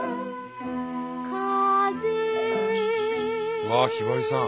うわひばりさん。